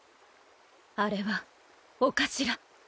あれは御頭。